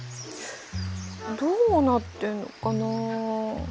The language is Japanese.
どうなってんのかな？